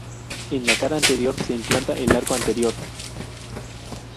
En la cara anterior se implanta el arco anterior.